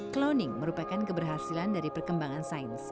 cloning merupakan keberhasilan dari perkembangan sains